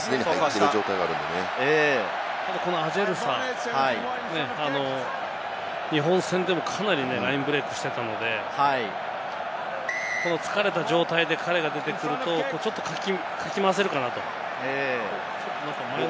ただこのアジェルサ、日本戦でも、かなりラインブレイクしていたので、この疲れた状態で彼が出てくると、ちょっとかき回せるかなと。